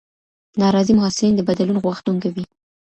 ناراضي محصلین د بدلون غوښتونکي وي.